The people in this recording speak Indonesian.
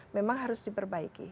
memang harus diperbaiki